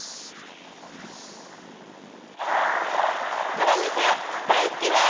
原宿大好きだよ！